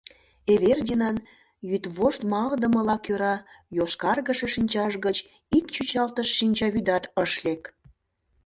Эвердинан йӱдвошт малыдымылан кӧра йошкаргыше шинчаж гыч ик чӱчалтыш шинчавӱдат ыш лек.